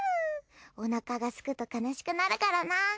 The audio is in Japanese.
おなかがすくと悲しくなるからな。